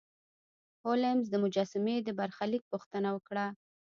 هولمز د مجسمې د برخلیک پوښتنه وکړه.